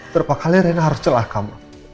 berapa kali rena harus celahkan